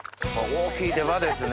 大きい出刃ですね。